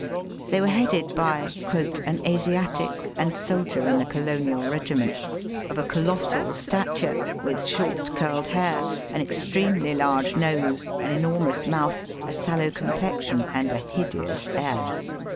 They were headed by "an Asiatic, and soldier in a colonial regiment : of a colossal stature, with short curled hair, an extremely large nose, an enormous mouth, a sallow complexion, and a hideous air."